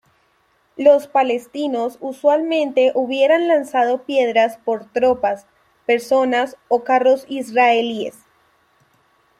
Los palestinos usualmente hubieran lanzado piedras por tropas, personas, o carros israelíes.